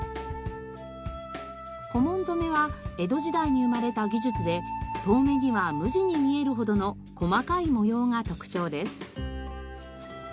小紋染めは江戸時代に生まれた技術で遠目には無地に見えるほどの細かい模様が特徴です。